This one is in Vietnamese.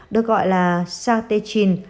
được gọi là satechin